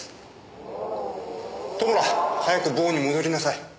戸村早く房に戻りなさい。